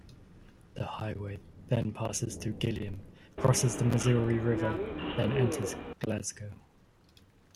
The highway then passes through Gilliam, crosses the Missouri River, then enters Glasgow.